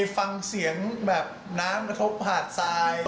ฟังเสียงแบบน้ำทบหาดซาย